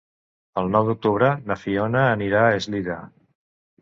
El nou d'octubre na Fiona anirà a Eslida.